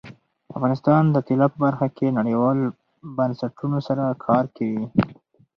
افغانستان د طلا په برخه کې نړیوالو بنسټونو سره کار کوي.